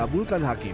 dan dikabulkan hakim